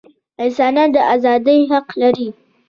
انسانان د ازادۍ حق لري.